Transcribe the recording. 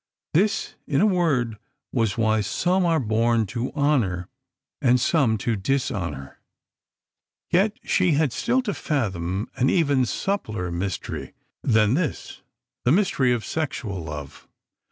This, in a word, was why "some are born to honour and some to dishonour." Yet she had still to fathom an even subtler mystery than this: the mystery of sexual love.